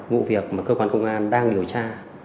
vụ việc mà cơ quan công an đang điều tra